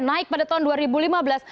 naik pada tahun dua ribu lima belas